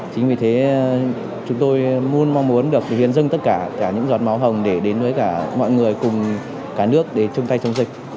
chính vì thế chúng tôi luôn mong muốn được hiến dưng tất cả những giọt máu hồng để đến với mọi người cùng cả nước để chung tay chống dịch